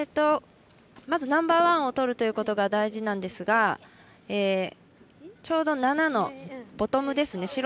まずナンバーワンを取るということが大事ですがちょうど７のボトムですね。